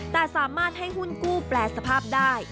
แต่สามารถให้หุ้นกู้แปลสภาพได้